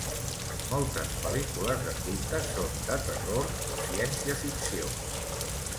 Moltes pel·lícules de culte són de terror o ciència-ficció.